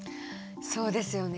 そうですよね。